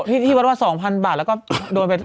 ที่วัดว่า๒๐๐บาทแล้วก็โดนไป